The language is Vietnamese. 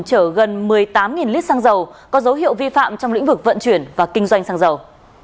chở gần một mươi tám lít xăng dầu có dấu hiệu vi phạm trong lĩnh vực vận chuyển và kinh doanh xăng dầu